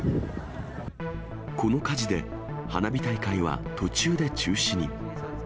この火事で、花火大会は途中で中止に。